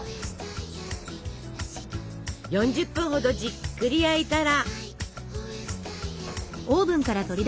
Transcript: ４０分ほどじっくり焼いたら。